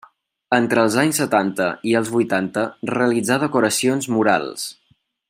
Entre els anys setanta i els vuitanta realitzà decoracions murals.